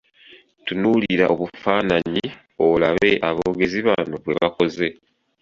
Tunuulira obufaananyi olabe aboogezi bano bwe bakoze.